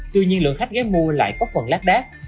tuy nhiên lượng khách ghé mua lại có phần lát đát